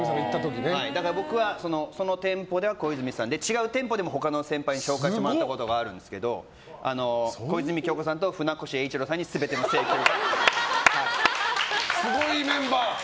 だから僕はその店舗では小泉さんで他の店舗では別の方に紹介してもらったことがあったんですけど小泉今日子さんと船越英一郎さんに全ての請求が。